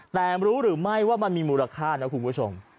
แต่รู้หรือไม่ว่ามันมีมูลค่านะคุณผู้ชม